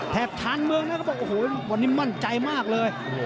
ทานเมืองนะเขาบอกโอ้โหวันนี้มั่นใจมากเลย